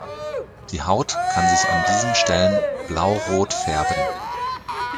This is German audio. Die Haut kann sich an diesen Stellen blau-rot färben.